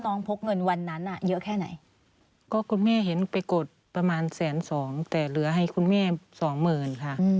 พกเงินวันนั้นอ่ะเยอะแค่ไหนก็คุณแม่เห็นไปกดประมาณแสนสองแต่เหลือให้คุณแม่สองหมื่นค่ะ